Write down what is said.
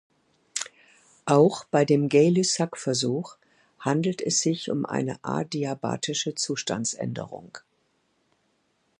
Auch bei dem Gay-Lussac-Versuch handelt es sich um eine adiabatische Zustandsänderung.